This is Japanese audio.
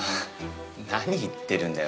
何言ってるんだよ。